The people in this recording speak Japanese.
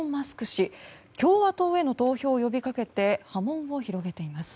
氏共和党への投票を呼びかけて波紋を広げています。